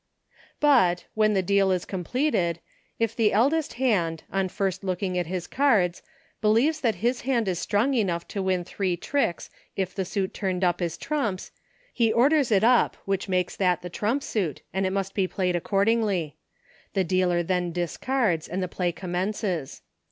But, when the deal is completed, if the MODE OF PLAYING. 39 eldest hand, on first looking at his cards, be lieves that his hand is strong enough to win three tricks if the suit turned up is trumps, he orders it up, which makes that the trump suit, and it must be played accordingly. The dealer then discards, and the play commences.